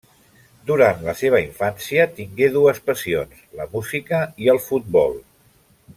Durant la seva infància, tingué dues passions: la música i el futbol.